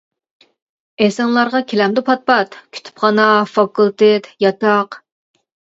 ئېسىڭلارغا كېلەمدۇ پات-پات، كۇتۇپخانا، فاكۇلتېت، ياتاق.